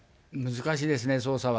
難しいですね、捜査は。